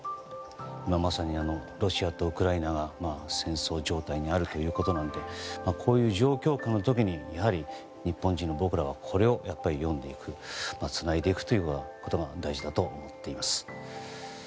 今まさにロシアとウクライナが戦争状態にあるということなのでこういう状況下の時に日本人の僕らはこれを読んでいくつないでいくということが大事だと思っています。